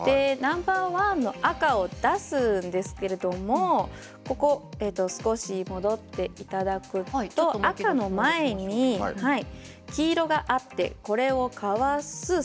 ナンバーワンの赤を出すんですけれどもここ少し戻っていただくと赤の前に黄色があって、これをかわす。